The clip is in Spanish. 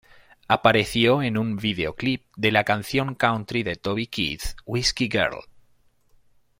Apareció en un videoclip de la canción country de Toby Keith, Whiskey Girl.